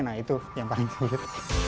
nah itu yang paling sulit